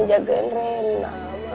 jagain reina mak